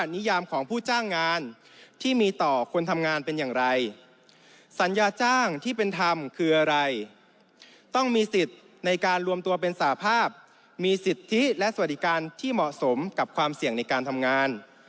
ต้องมีสิทธิในการรวมตัวเป็นสาภาพมีสิทธิและสวัสดิการที่เหมาะสมกับความเสี่ยงในการทำงาน